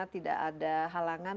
tidak ada halangan